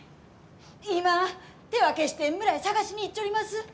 今手分けして村へ捜しに行っちょります！